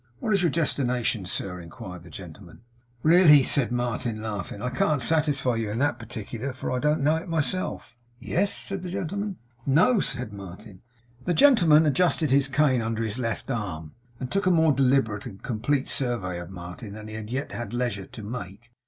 'What is your destination, sir?' inquired the gentleman. 'Really,' said Martin laughing, 'I can't satisfy you in that particular, for I don't know it myself.' 'Yes?' said the gentleman. 'No,' said Martin. The gentleman adjusted his cane under his left arm, and took a more deliberate and complete survey of Martin than he had yet had leisure to make.